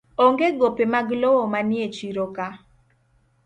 Onge gope mag lowo manie chiro ka